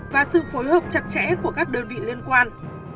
và sự phối hợp chặt chẽ của các đơn vị liên quan